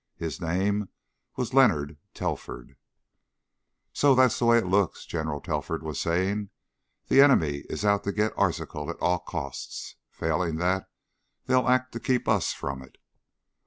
His name was Leonard Telford. "So that's the way it looks," General Telford was saying. "The enemy is out to get Arzachel at all costs. Failing that, they'll act to keep us from it."